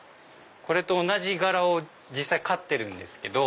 これと同じ柄を実際飼ってるんですけど。